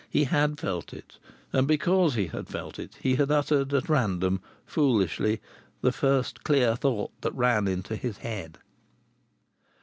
He had felt it, and because he had felt it he had uttered at random, foolishly, the first clear thought that ran into his head.